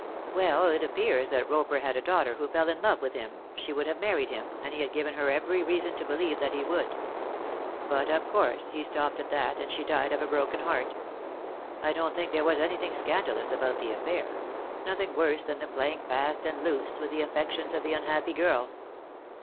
"Well, it appears that Roper had a daughter who fell in love with him she would have married him, and he had given her every reason to believe that he would. But, of course, he stopped at that, and she died of a broken heart. I don't think there was anything scandalous about the affair nothing worse than the playing fast and loose with the affections of the unhappy girl."